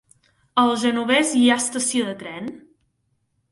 A el Genovés hi ha estació de tren?